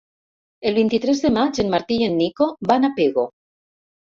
El vint-i-tres de maig en Martí i en Nico van a Pego.